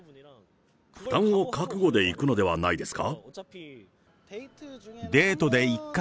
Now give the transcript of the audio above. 負担を覚悟で行くのではないですか？